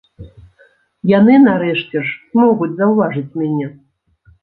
Яны нарэшце ж змогуць заўважыць мяне.